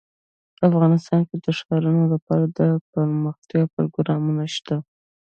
افغانستان کې د ښارونه لپاره دپرمختیا پروګرامونه شته.